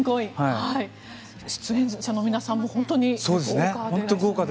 出演者の皆さんも豪華で。